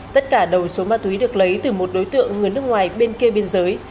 tất cả đầu số ma túy được lấy từ một đối tượng người nước ngoài bên kia biên giới